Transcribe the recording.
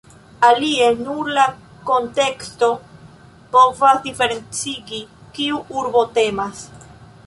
Alie, nur la konteksto povas diferencigi, kiu urbo temas.